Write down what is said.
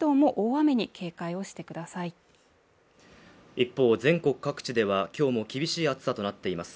一方全国各地ではきょうも厳しい暑さとなっています